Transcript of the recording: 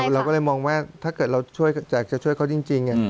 เราก็เลยมองว่าถ้าเกิดเราอยากจะช่วยเขาจริง